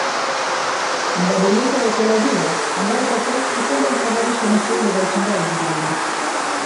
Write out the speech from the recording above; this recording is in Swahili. Mabadiliko ya ikolojia ambayo kwa kiasi kikubwa husababishwa na shughuli za uchimbaji madini